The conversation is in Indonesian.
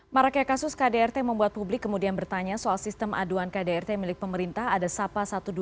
maraknya kasus kdrt membuat publik kemudian bertanya soal sistem aduan kdrt milik pemerintah ada sapa satu ratus dua belas